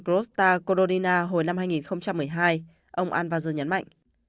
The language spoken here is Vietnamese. gross star corona hồi năm hai nghìn một mươi hai ông anvazer nhấn mạnh